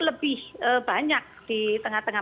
lebih banyak di tengah tengah